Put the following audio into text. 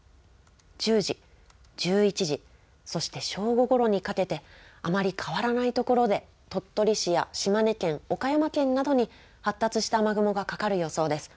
１０時、１１時、そして正午ごろにかけてあまり変わらないところで鳥取市や島根県、岡山県などに発達した雨雲がかかる予想です。